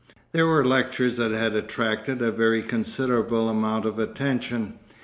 They were lectures that had attracted a very considerable amount of attention.